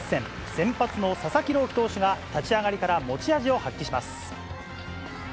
先発の佐々木朗希投手が、立ち上がりから持ち味を発揮します。